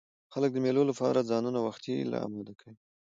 خلک د مېلو له پاره ځانونه وختي لا اماده کوي.